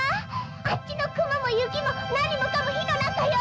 あっちの雲も雪も何もかも火の中よ！